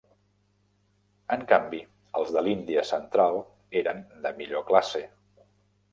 En canvi els de l'Índia Central eren de millor classe.